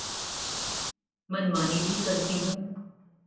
من مانی بھی کرتی ہوں۔